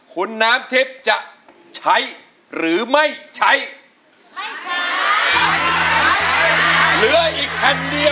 คุณน้ำเทพจะใช้หรือไม่ใช้ไม่ใช้ใช้ค่ะใช้ค่ะใช้ค่ะ